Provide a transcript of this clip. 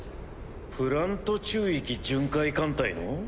プラント宙域巡回艦隊の？